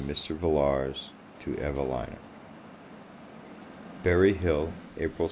VILLARS TO EVELINA Berry Hill, April 16.